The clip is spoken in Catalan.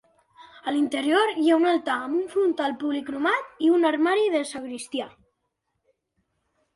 A l'interior hi ha un altar amb un frontal policromat i un armari de sagristia.